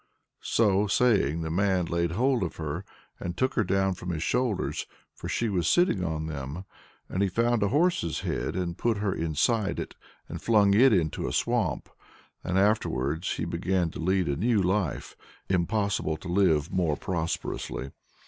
"So saying the man laid hold of her, and took her down from his shoulders for she was sitting on them. And he found a horse's head and put her inside it, and flung it into a swamp. And afterwards he began to lead a new life impossible to live more prosperously."